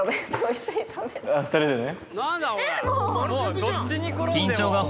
２人でね。